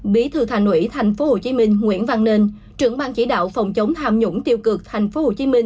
bí thư thành ủy tp hcm nguyễn văn nên trưởng bang chỉ đạo phòng chống tham nhũng tiêu cực tp hcm